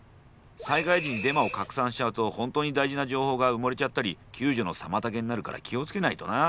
災害時にデマを拡散しちゃうと本当に大事な情報が埋もれちゃったり救助の妨げになるから気を付けないとな。